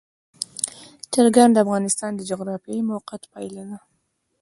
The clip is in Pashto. چرګان د افغانستان د جغرافیایي موقیعت پایله ده.